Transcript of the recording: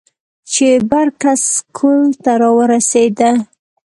چې بر کڅ سکول ته راورسېدۀ ـ